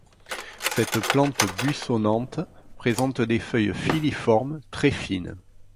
Cette plante buissonnante présente des feuilles filiformes, très fines.